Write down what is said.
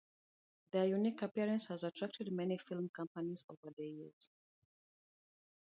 Their unique appearance has attracted many film companies over the years.